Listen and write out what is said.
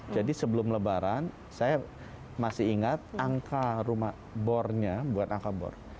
jadi sebelum lebaran saya masih ingat angka rumah bornya buat angka bor